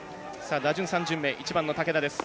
打順３巡目、１番の武田です。